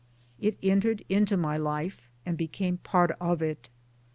It entered into my life and became part of it.